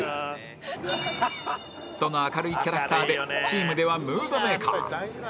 その明るいキャラクターでチームではムードメーカー